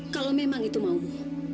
kalau memang itu maumu